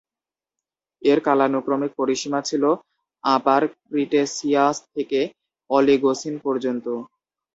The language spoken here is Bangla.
এর কালানুক্রমিক পরিসীমা ছিল আপার ক্রিটেসিয়াস থেকে অলিগোসিন পর্যন্ত।